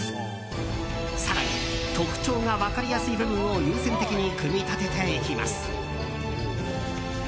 更に、特徴が分かりやすい部分を優先的に組み立てていきます。